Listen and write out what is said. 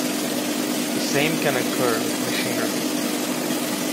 The same can occur with machinery.